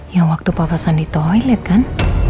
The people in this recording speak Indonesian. yang waktu papa sandi toilet kan